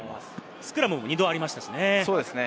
スクラムも２度ありましたしね。